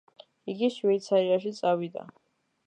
იგი შვეიცარიაში წავიდა.